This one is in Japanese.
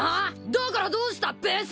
だからどうしたブス！